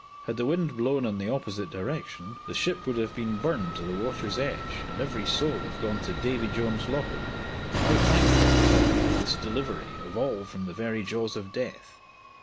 Had the wind blown in the opposite direction the ship would have been burned to the water's edge, and every soul have gone to "Davy Jones' locker". How thankful I felt for this delivery of all from the very jaws or death.